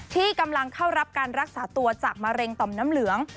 ที่กำลังเข้ารับการรักษาตัวจากมะเร็งต่อมน้ำเหลือง